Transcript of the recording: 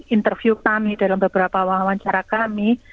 interview kami dalam beberapa wawancara kami